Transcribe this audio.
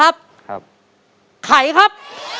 ครับไข่ครับ